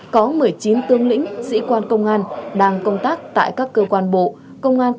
có một mươi chín tướng lĩnh sĩ quan công an đang công tác tại các cơ quan bộ công an